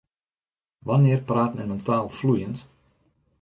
Wannear praat men in taal floeiend?